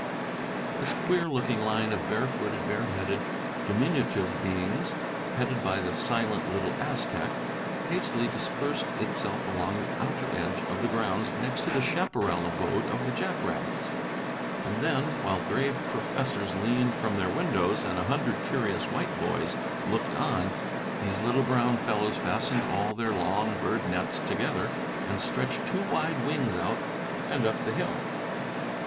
This queer looking line of barefooted, bareheaded, diminutive beings, headed by the silent little Aztec, hastily dispersed itself along the outer edge of the grounds next to the chaparral abode of the jack rabbits, and then, while grave professors leaned from their windows, and a hundred curious white boys looked on, these little brown fellows fastened all their long bird nets together, and stretched two wide wings out and up the hill.